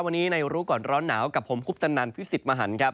วันนี้ในรู้ก่อนร้อนหนาวกับผมคุปตนันพิสิทธิ์มหันครับ